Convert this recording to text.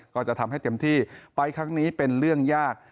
ก็จะทำให้เต็มที่ไปครั้งนี้เป็นเรื่องยาก